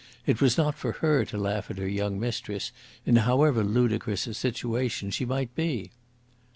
It was not for her to laugh at her young mistress, in however ludicrous a situation she might be.